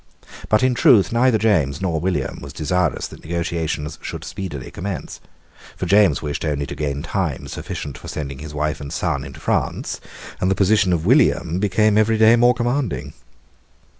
But in truth neither James nor William was desirous that negotiations should speedily commence; for James wished only to gain time sufficient for sending his wife and son into prance; and the position of William became every day more commanding.